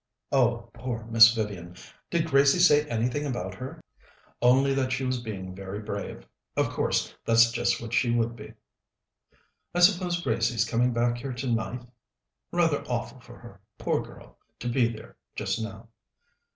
"Oh, poor Miss Vivian! Did Gracie say anything about her?" "Only that she was being very brave. Of course, that's just what she would be." "I suppose Gracie's coming back here tonight? Rather awful for her, poor girl, to be there just now."